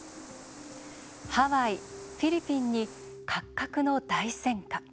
「ハワイ・フィリピンにかっかくの大戦果」。